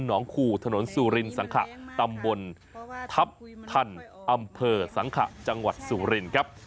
น้องคู่ถนนสุรินสังขะตำบลทัพทันอำเภอสังขะจังหวัดสุรินครับ